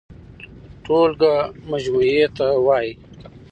ټولګه مجموعې ته وايي.